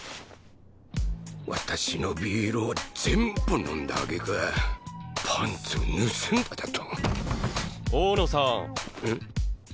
私のビールを全部飲んだあげくパンツを盗んだだと大野さんうん？